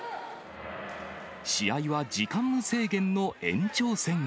試合は時間無制限の延長戦へ。